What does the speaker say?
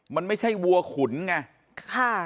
มันไม่ใช่วัวขุนไง